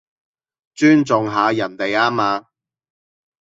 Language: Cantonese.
尊重下人哋吖嘛